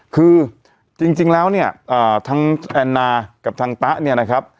คือจริงจริงแล้วเนี้ยอ่าทั้งแอนนากับทั้งตะเนี้ยนะครับ